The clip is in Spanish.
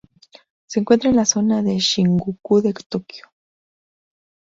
Se encuentra en la zona de Shinjuku de Tokio.